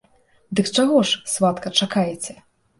Дык чаго ж, сватка, чакаеце?